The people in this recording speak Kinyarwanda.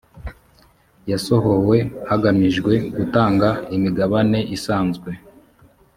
yasohowe hagamijwe gutanga imigabane isanzwe